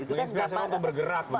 menginspirasi orang untuk bergerak